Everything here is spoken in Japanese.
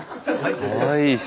かわいいし。